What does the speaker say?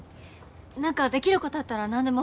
何かできることあったら何でも。